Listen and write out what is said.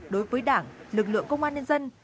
đối với đảng lực lượng công an nhân dân